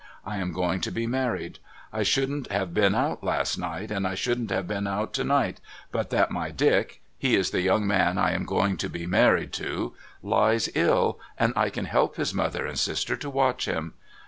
I am going to be married. I shouldn't have been out last night, and I shouldn't have been out to night, but that my Dick (he is the young man I am going to be married to) lies ill, and I help his mother and sister to watch him.